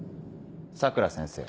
佐倉先生。